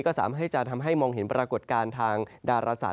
ก็สามารถให้จะทำให้มองเห็นปรากฏการณ์ทางดาราศาสต